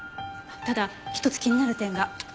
ただ一つ気になる点が。